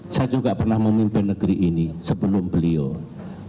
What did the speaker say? saya juga pernah memimpin negeri ini sebelum beliau